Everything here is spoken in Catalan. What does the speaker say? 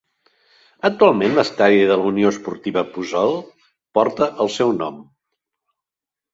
Actualment l'estadi de la Unió Esportiva Puçol porta el seu nom.